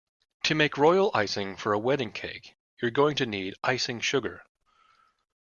To make royal icing for a wedding cake you’re going to need icing sugar